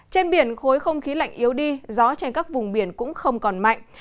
trên biển khối không khí lạnh yếu đi gió trên các vùng biển cũng không còn mạnh